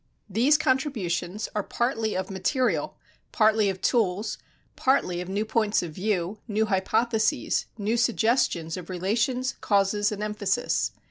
These contributions are partly of material, partly of tools, partly of new points of view, new hypotheses, new suggestions of relations, causes, and emphasis.